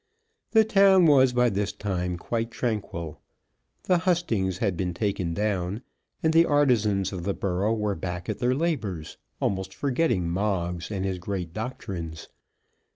The town was by this time quite tranquil. The hustings had been taken down, and the artizans of the borough were back at their labours, almost forgetting Moggs and his great doctrines.